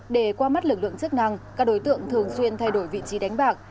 để qua mắt lực lượng chức năng các đối tượng thường xuyên thay đổi vị trí đánh bạc